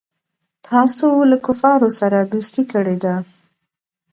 تاسو له کفارو سره دوستي کړې ده.